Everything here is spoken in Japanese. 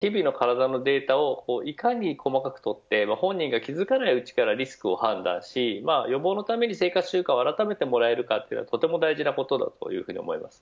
だからこそ日々の体のデータをいかに細かく取って本人が気付かないうちからリスクを判断し、予防のために生活習慣をあらためてもらえるのは大事なことです。